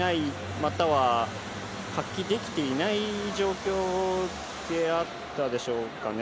または発揮できていない状況であった。